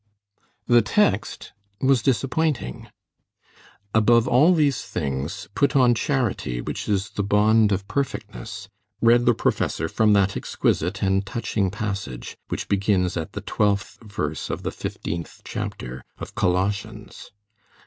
The text was disappointing. "Above all these things, put on charity, which is the bond of perfectness," read the professor from that exquisite and touching passage which begins at the twelfth verse of the fifteenth chapter of Colossians.